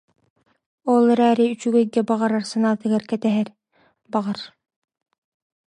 Ол эрээри үчүгэйгэ баҕарар санаатыгар кэтэһэр, баҕар